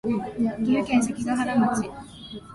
岐阜県関ケ原町